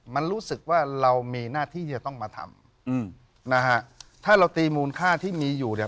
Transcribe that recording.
มันรู้สึกว่าเรามีหน้าที่จะต้องมาทำอืมนะฮะถ้าเราตีมูลค่าที่มีอยู่เนี่ย